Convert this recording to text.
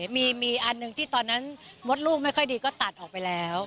มีอันหนึ่งที่ตอนนั้นมดลูกไม่ค่อยดีก็ตัดออกไปแล้ว